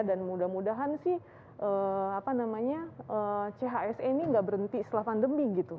dan mudah mudahan sih chsa ini gak berhenti selama pandemi gitu